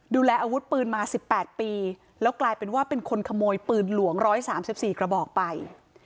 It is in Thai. ดูแลอาวุธปืนมาสิบแปดปีแล้วกลายเป็นว่าเป็นคนขโมยปืนหลวงร้อยสามสิบสี่กระบอกไป